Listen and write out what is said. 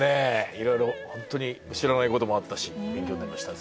いろいろホントに知らないこともあったし勉強になりました。